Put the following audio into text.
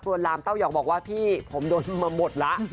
ตัวลามเต้าหยอกบอกว่าพี่ผมโดนมาหมดละ